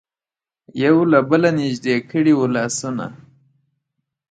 یو له بله نژدې کړي وو لاسونه.